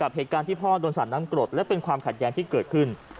เหตุการณ์ที่พ่อโดนสาดน้ำกรดและเป็นความขัดแย้งที่เกิดขึ้น